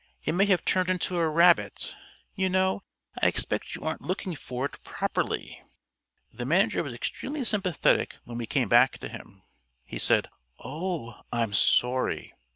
It may have turned into a rabbit. You know, I expect you aren't looking for it properly." The manager was extremely sympathetic when we came back to him. He said, "Oh, I'm sorry."